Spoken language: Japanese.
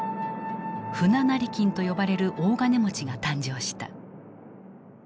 「船成金」と呼ばれる大金持ちが誕生した。